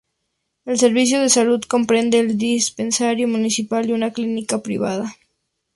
El servicio de salud comprende el Dispensario Municipal y una clínica privada.